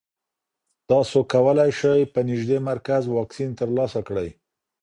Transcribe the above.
تاسو کولی شئ په نږدې مرکز واکسین ترلاسه کړئ.